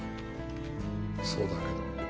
そうだけど。